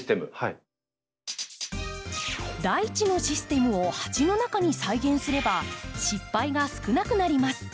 大地のシステムを鉢の中に再現すれば失敗が少なくなります。